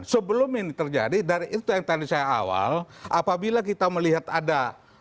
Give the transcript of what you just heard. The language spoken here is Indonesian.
sebelum ini terjadi dan itu yang tadi saya awal apabila kita melihat ada